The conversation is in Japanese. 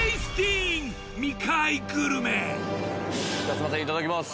すいませんいただきます。